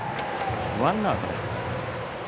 ワンアウトです。